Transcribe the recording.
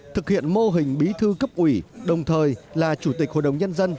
thực hiện mô hình bí thư cấp ủy đồng thời là chủ tịch hội đồng nhân dân